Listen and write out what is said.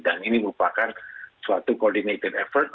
dan ini merupakan suatu coordinated effort